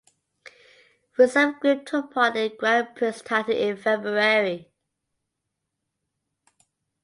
Reserve group took part in Grand Prix Tartu in February.